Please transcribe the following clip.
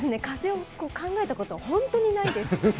風を考えたことは本当にないです。